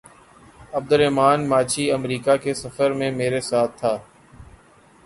عبدالرحمٰن ماچھی امریکہ کے سفر میں میرے ساتھ تھا۔